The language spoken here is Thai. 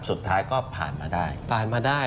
สุดท้ายก็ผ่านมาได้